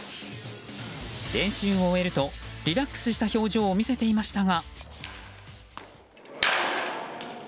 練習を終えるとリラックスした表情を見せていましたが。